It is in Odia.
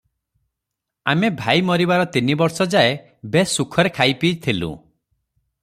ଆମେ ଭାଇ ମରିବାର ତିନିବର୍ଷ ଯାଏ ବେଶ୍ ସୁଖରେ ଖାଇପିଇ ଥିଲୁଁ ।